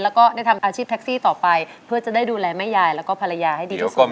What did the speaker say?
แล้วก็ได้ทำอาชีพแท็กซี่ต่อไปเพื่อจะได้ดูแลแม่ยายแล้วก็ภรรยาให้ดีที่สุด